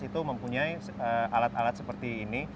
itu mempunyai alat alat seperti ini